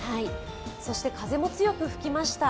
そして風も強く吹きました。